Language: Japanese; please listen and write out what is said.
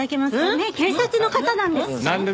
ねえ警察の方なんですし。